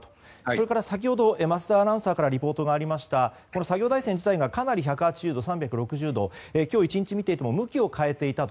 それから、先ほど桝田アナウンサーからリポートがありました作業台船自体がかなり１８０度、３６０度と今日１日見ていても向きを変えていた。